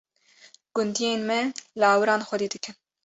Gundiyên me, lawiran xwedî dikin.